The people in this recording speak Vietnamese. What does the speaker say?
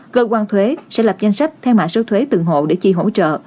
cơ quan thuế sẽ lập danh sách theo mã số thuế từng hộ để chi hỗ trợ